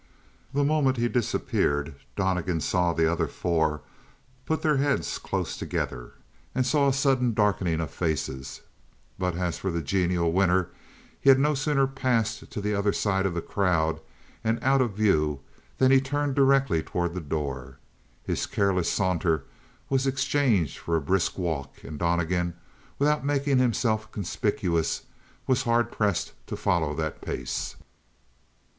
The moment he disappeared, Donnegan saw the other four put their heads close together, and saw a sudden darkening of faces; but as for the genial winner, he had no sooner passed to the other side of the crowd and out of view, than he turned directly toward the door. His careless saunter was exchanged for a brisk walk; and Donnegan, without making himself conspicuous, was hard pressed to follow that pace.